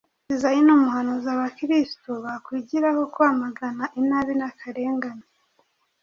Izayi ni umuhanuzi Abakristu bakwigiraho kwamagana inabi n‟akarengane